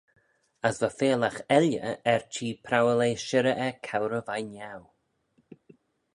As va feallagh elley er-chee prowal eh shirrey er cowrey veih niau.